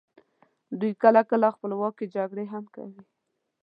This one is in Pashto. دوی کله کله خپلو کې جګړې هم کوي.